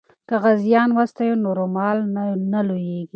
که غازیان وستایو نو مورال نه لویږي.